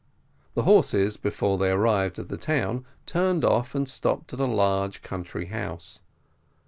The horses, before they arrived at the town, turned off, and stopped at a large country house.